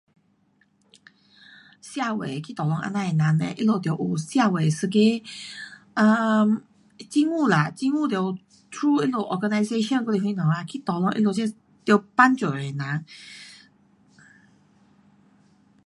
社会去 tolong 这样的人呢，他们得有社会一个 um 政府啦，政府得 through 他们 organization 还是什么啦，去 tolong 这得帮助的人。